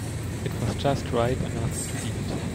It was just ripe enough to eat.